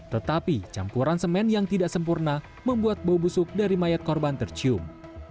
tetapi campuran semen yang tidak sempurna membuat bau busuk dari mayat korban tercium